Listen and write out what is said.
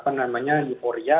tapi tidak berarti kita akan euforia